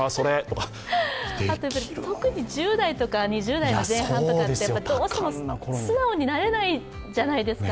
特に１０代とか２０代前半とかってどうしても素直になれないじゃないですか。